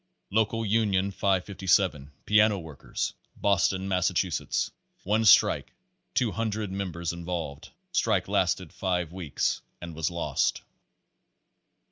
Local Union 557, Piano Workers, Boston, Massa chusetts. One strike; 200 members involved. Strike lasted five weeks and was lost.